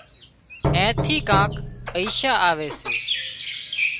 اين ٿي ڪانڪ پئيشا آوي سي